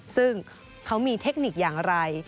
ซึ่งเขามีเทคนิคอย่างไร